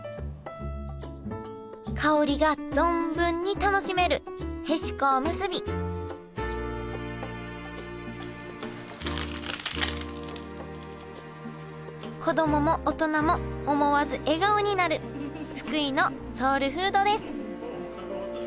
香りが存分に楽しめるへしこおむすび子供も大人も思わず笑顔になる福井のソウルフードです